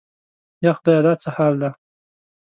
یا خدایه دا څه حال دی؟